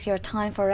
bởi chính phủ